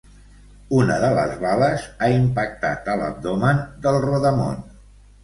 Una de les bales ha impactat a l’abdomen del rodamón.